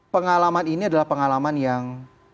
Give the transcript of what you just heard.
pengalaman ini adalah pengalaman yang